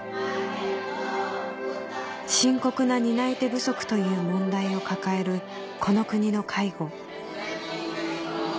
深刻な担い手不足という問題を抱えるこの国の介護